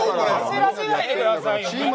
焦らせないでくださいよ